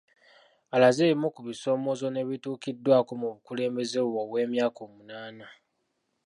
Alaze ebimu ku bisoomoozo n'ebituukiddwako mu bukulembeze bwe obw'emyaka munaana